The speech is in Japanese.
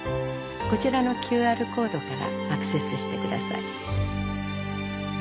こちらのＱＲコードからアクセスしてください。